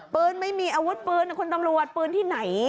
ไม่มีอาวุธปืนนะคุณตำรวจปืนที่ไหน